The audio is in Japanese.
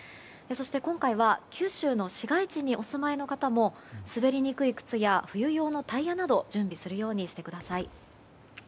今回は九州の市街地にお住まいの方も滑りにくい靴や冬用のタイヤなど準備するようにしてください。